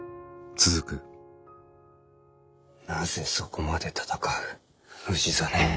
なぜそこまで戦う氏真。